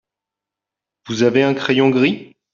Vous avez un crayon gris ?